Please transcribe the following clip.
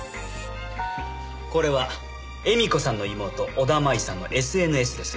これは絵美子さんの妹小田麻衣さんのＳＮＳです。